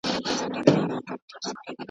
خو لا دي سره دي لاسونه دواړه .